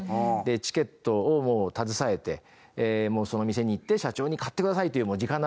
チケットを携えてその店に行って社長に「買ってください！」という直談判手売りですね。